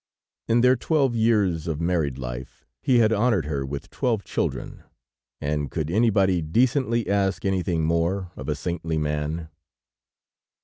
In their twelve years of married life, he had honored her with twelve children, and could anybody decently ask anything more of a saintly man?